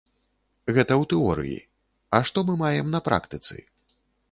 Гэта ў тэорыі, а што мы маем на практыцы?